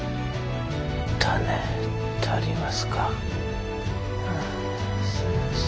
種足りますか？